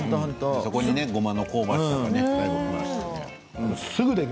そこにごまの香ばしさが最後きて。